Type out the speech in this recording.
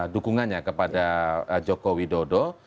dukungannya kepada jokowi dodo